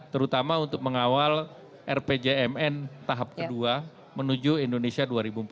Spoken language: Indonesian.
terutama untuk mengawal rpjmn tahap kedua menuju indonesia dua ribu empat puluh lima